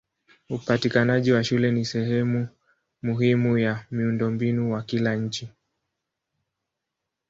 Upatikanaji wa shule ni sehemu muhimu ya miundombinu wa kila nchi.